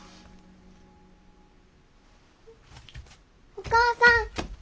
お母さん。